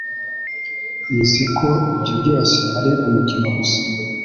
Nzi ko ibyo byose ari umukino gusa.